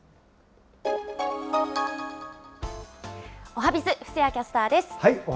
おはＢｉｚ、布施谷キャスターです。